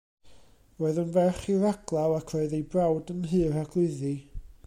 Roedd yn ferch i raglaw ac roedd ei brawd yn Nhŷ'r Arglwyddi.